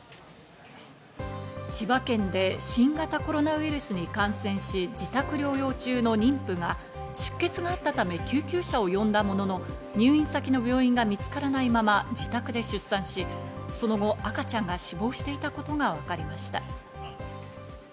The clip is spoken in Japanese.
千葉県で新型コロナウイルスに感染し、自宅療養中の妊婦が出血があったため救急車を呼んだものの、入院先の病院が見つからないまま自宅で出産し、その後、赤ちゃんが死亡していたことがわかりました。